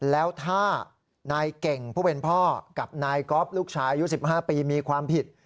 แล้วถ้านายเก่งผู้เป็นพ่อกับนายก๊อฟลูกชายอายุ๑๕ปีมีความผิด